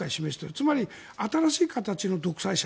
つまり新しい形の独裁者。